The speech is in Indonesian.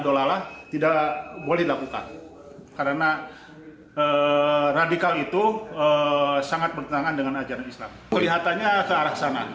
allahu akbar allahu akbar allahu akbar